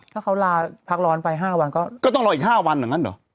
ถ้าเขาลาพักร้อนไปห้าวันก็ก็ต้องรออีกห้าวันเหมือนกันหรอ